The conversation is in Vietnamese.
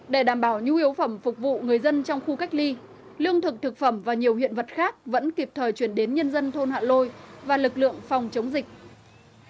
để đảm bảo nhu yếu phẩm phục vụ người dân trong khu cách ly lương thực thực phẩm và nhiều hiện vật khác vẫn kịp thời chuyển đến nhân dân thôn hạ lôi và lực lượng phòng chống dịch